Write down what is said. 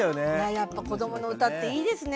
やっぱこどもの歌っていいですね。